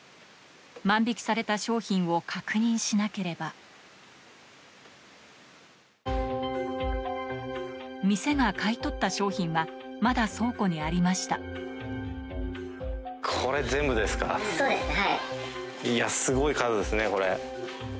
万引きされた商品を確認しなければ店が買い取った商品はまだ倉庫にありましたそうですねはい。